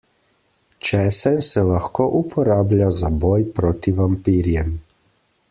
Česen se lahko uporablja za boj proti vampirjem.